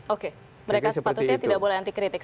oke mereka sepatutnya tidak boleh anti kritik